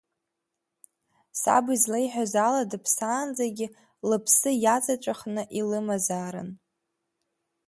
Саб излеиҳәоз ала, дыԥсаанӡагьы лыԥсы иаҵаҵәахны илымазаарын…